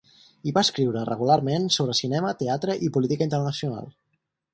Hi va escriure regularment sobre cinema, teatre i política internacional.